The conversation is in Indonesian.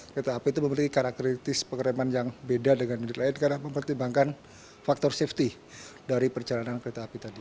kereta api itu memiliki karakteristis pengereman yang beda dengan unit lain karena mempertimbangkan faktor safety dari perjalanan kereta api tadi